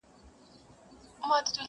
• ګړی وروسته په کلا کي خوشالي سوه..